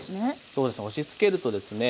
そうです押しつけるとですね